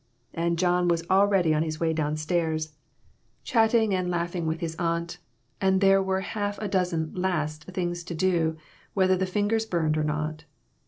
And John was already on his way down stairs, chatting and A SMOKY ATMOSPHERE. 85 langhing with his aunt; and there were half a dozen "last" things to do whether the fingers burned or not.